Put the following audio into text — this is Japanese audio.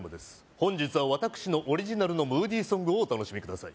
本日は私のオリジナルのムーディソングをお楽しみください